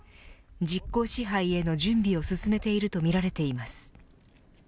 実効支配への準備を進めているとみられています。